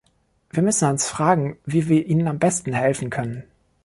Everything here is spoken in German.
Wir müssen uns fragen, wie wir ihnen am besten helfen können.